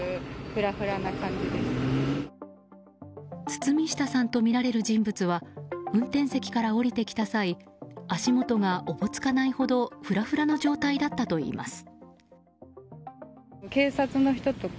堤下さんとみられる人物は運転席から降りてきた際足元がおぼつかないほどふらふらな状態だったといいます。